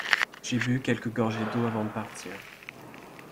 J’ai bu quelques gorgées d’eau avant de partir.